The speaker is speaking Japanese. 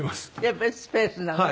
やっぱりスペースなのね。